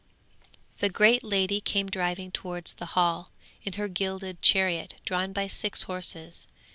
'The great lady came driving towards the Hall, in her gilded chariot drawn by six horses.